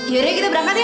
yurie kita berangkat yuk